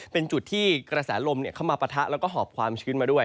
เป็นจุดที่กระแสลมเข้ามาปะทะแล้วก็หอบความชื้นมาด้วย